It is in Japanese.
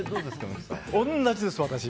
同じです、私。